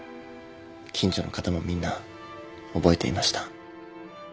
近所の方もみんな覚えていました。